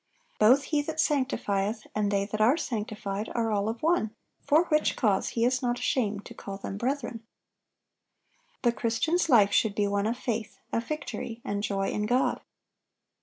"Both He that sanctifieth and they that are sanctified are all of one: for which cause He is not ashamed to call them brethren."(828) The Christian's life should be one of faith, of victory, and joy in God.